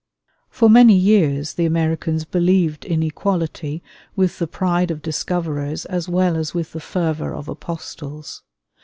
For many years the Americans believed in equality with the pride of discoverers as well as with the fervor of apostles.